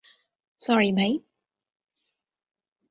Sorry, ভাই।